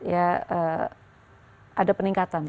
ya ada peningkatan